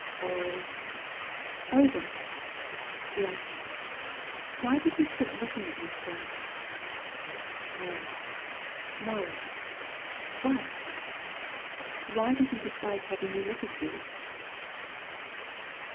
"Oh" "Oyvind!" "Yes." "Why did you sit looking at me so?" "Oh Marit!" "What!" "Why did you dislike having me look at you?"